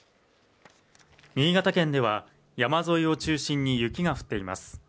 新潟県では山沿いを中心に雪が降っています